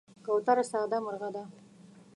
کوتره ساده مرغه ده.